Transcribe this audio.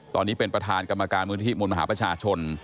ตอนนี้เป็นประธานกรรมการมูลที่มูลมหาประชาชน